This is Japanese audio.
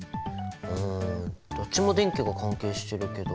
うんどっちも電気が関係してるけど。